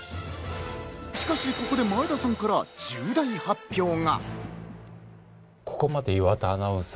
しかし、ここで前田さんから重大発表が。